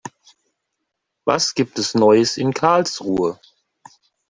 Was gibt es Neues in Karlsruhe?